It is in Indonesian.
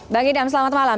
bang idam selamat malam